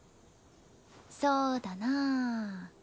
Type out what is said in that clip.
そうだなぁ。